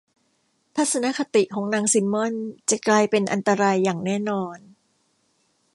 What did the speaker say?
ทัศนคติของนางซิมมอนส์จะกลายเป็นอันตรายอย่างแน่นอน